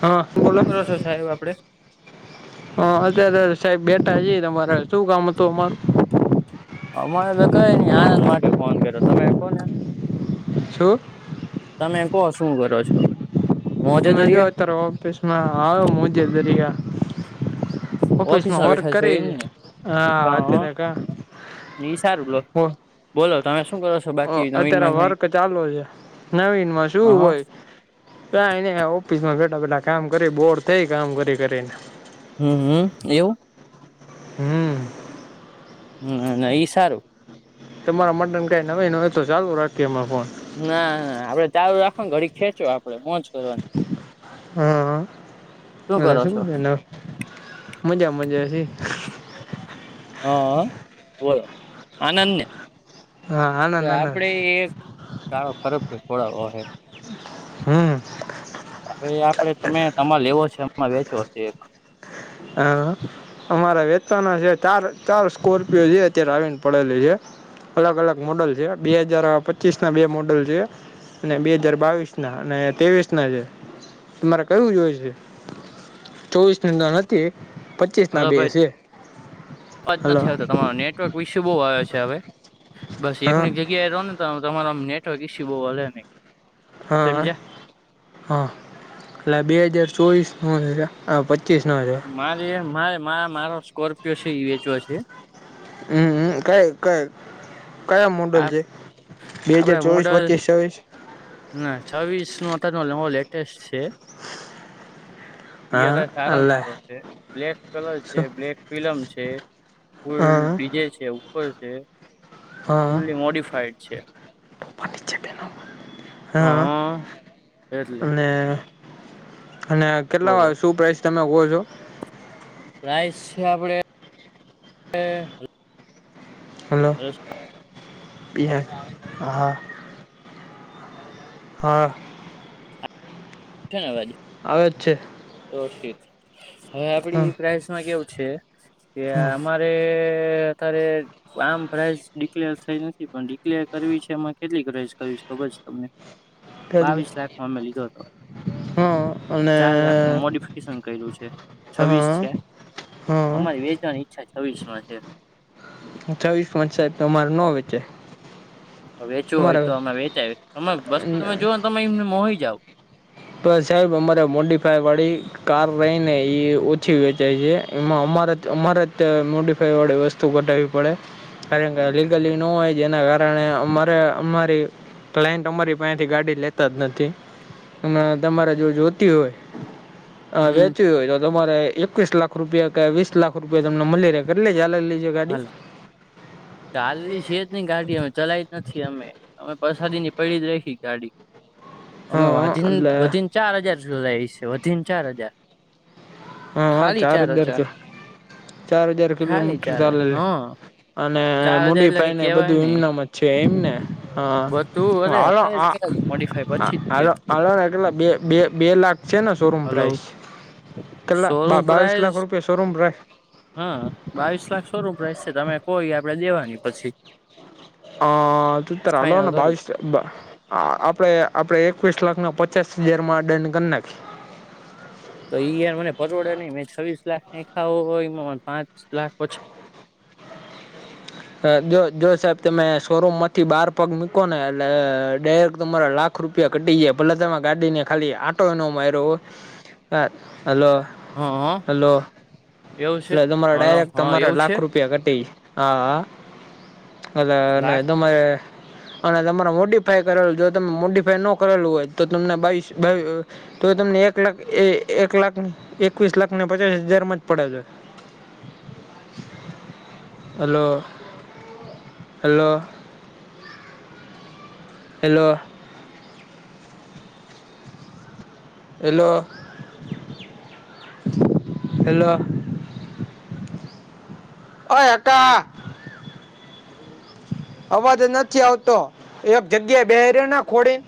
હા શું બોલો. કરો છો સાહેબ આપડે? હા અત્યારે સાહેબ બેટા જ તમારે શું કામ હતું અમારું? હ મને કઈ નહી આનંદ માટે ફોન કર્યો તમે કોને. છું? તમે કોહ શું કરો છો? મોજે તમે જો દરિયા અત્યારે ઓફિસ માં આવ્યો મુજે દરિયા. ઓફિસ માં ઓફિસમાં વર્ક બેઠા છો કરી છે એમને હા અત્યારે ક સારુંલો હ અત્યારે નવીનમાં કઈ વર્ક ચાલુ છે, નવીનમાં શું અહ હોય. ક એને ઓફિસ માં બેઠા બેઠા કામ કરી બોર થઈ કામ કરી કરીને. હમ હમ, એવું? હમ. હમ એ સારું. તમારા મટન કઈ નવી ન હોય તો ચાલુ રાખીએ અ ફોન. ના ના આપડે ચારું રાખવા ને ઘડી ખેંચો. કરવાનું. શના, મજ્યા મજ્યાછી. હા બોલો આણંદને. હા તો આનંદ આનંદ આપડે એક ગાળો ખરાબ છે થોડ હમ. હવે આપડે તમે તમારે લેવો છે હમણા વેચો છે એક. હ અમારા વેચવાના છે ચાર ચાર સ્કોર્પિયો જે અત્યારે આવીને પડેલી છે. અલગ અલગ મોડલ છે, બે હજાર પચીસ ના બે મોડલ છે. અને બે હાજાર બાવીસ ના અને ત્રેવીસ ના છે, તમારે કયું જોય છે? ચોવીસ ની નથી પચીસ ના હલો બે ભાઈ છે, અવાજ હલો. નથી આવતો તમારો નેટવર્ક ઈસુ બહુ આવે છે હવે બસ એક હા એક જગ્યાએ રોને. તમારા મ નેટવર્ક ઇસ્યૂ બો હલે નહી. હા. સમજ્યા હા એટલે બે હજાર ચોવીસ ન હજ પચીસ નો હે. મારી એમ મારે મા મારો સ્કોર્પિયો છે ઈ વેચવો છે. હમ્મ હ કયો કયો? મોડલ આ છે, બે હજાર આપડે ચોવીસ, મોડલ પચીસ, છવીસ? ના છવીસ નું અત્યારનું નવો લેટેસ્ટ છે. ઈ હા અતારે સારામાં અલ્ સારો છે. બ્લેક કલર છે, શું બ્લેક ફિલમ છે, ફૂલ હા ડી જે છે ઉપર છે. હા ફુલ્લી મોડિફાઈડ છે. હા એટલે અને અને કેટલા બોલો વાળું શું પ્રાઈસ તમે કો છો? પ્રાઇસ છે આપડે તે. હલો, પિહે, હા. હા. ધન્યવાદ. આવે જ છે. ઓકે તો હવે હા આપડી પ્રાઇસમાં કેવું છે? કે હા અમારે અત્યારે આમ પ્રાઈઝ ડિક્લેર થઈ નથી પણ ડિક્લેર કરવી છે એમાં કેટલી પ્રાઈઝ કરવી છે ખબર છે તમને? એટલે બાવીસ લાખમા અમે લીધો હતો. હા. અને ચાર લાખનું મોડિફિકેશન કર્યુ છે છવ્વીસ હા છે, હા અમારી વેચાણી અચ્છા છવ્વીસ માં છે. છવીસમાં છે તો તમારે નો વેચાય. તો વેચવું હોય તો અમે વેચાય તમે વસ્તુ તમે જોઓ ને તમે મોહી જાવ. તો સાહેબ અમારે મોડીફાયવાળી કાર રહી ને એ ઓછી વેચાય છે, એમાં અમારે અમારે મોડીફાઈ વાળી વસ્ તુ કઢાવવી પડે, કારણ કે લીગલી ન હોય જેના કારણે અમારે અમારી કલાયન્ટ અમારી પાહેથી ગાડી લેતા જ નથી. અને તમારે જો જોતી હોય અ હમ વેચવી હોય તો તમારે એ એકવીસ લાખ રૂપિયા કે વીસ લાખ રૂપિયા તમને મલી રહે કેટલી ચાલેલી? છે ગાડી હાલ ચાલલી છે જ નઈ ગાડી અમે ચલાય જ નથી અમે. અમે પસાદી ની પડી જ રાયખી ગાડી હં અમે હં વાધીને એટલે વધીને ચાર હજાર સુધ ચલાયી છે વધી ને ચાર હજાર. હા હ ચાર હજાર, ચાર હજાર કિલોમીટર અત્યારે ચાલેલી હા. અને ચાર હજાર એટલે મોડીફાઇ કે ને કેવાય બધું નઈ એમનેમ જ છે એમને? હ બધું અરે આલો અત્યારે જ આ કરાવ્યું મોડીફાઈ પછી જ તે હ હાલોને કેટલા બે બે બે લાખ છે ને શોરૂમ હલો પ્રાઇસ? કેટલા બા શોરૂમ બાવીસ લાખ પ્રાઇસ રૂપિયા શોરૂમ પ્રાઈસ? હા બાવીસ લાખ શૉરૂમ પ્રાઇસ છે, તમે કો ઈ આપડે દેવાની પછી. હ ત તાર ફાઈનલ આલોને કરી બાવીસે બ આપડે આપડે એકવીસ લાખને પચાસ હજાર માં ડન કર નાખીયે? તો ઈ યાર મને પરવડે નહી મેં છવ્વીસ લાખ નાખ્યા હોય એમાં પાંચ લાખ પછી જો જો સાહેબ તમે શોરૂમમાંથી બાર પગ મૂકોને એટલે ડાયરેક્ટ તમારા લાખ રૂપિયા ઘટી ગયા ભલે તમે ગાડીને ખાલી આટો એ નો માર્યો હોય હ, હલો હાહ. લગમાં ડાયરેક્ટ હ તમારે એવું છે લાખ રૂપિયા ઘટી, હા. અલા ને લાખ તમે. અને તમારે મોડીફાઈ કરેલું જો તમે મોડીફાઈ નો કરેલું હોય તો તમને બાવીસ બા તો તમને એક લાખ એક લાખ એકવીસ લાખને પચાસ હજારમાં જ પડે છે. Hello. Hello. Hello. Hello, hello. ઓય હકા. અવાજ નથી આવતો એક જગ્યા બેહી રેને ખોડી.